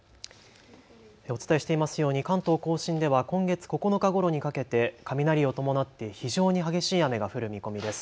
お伝えしていますように関東甲信では今月９日ごろにかけて雷を伴って非常に激しい雨が降る見込みです。